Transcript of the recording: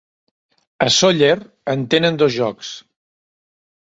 A Sóller en tenen dos jocs.